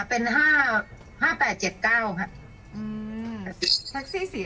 เป็น๕๕๘๗๙ค่ะ